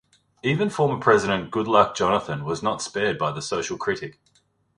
Even former President Goodluck Jonathan was not spared by the social critic.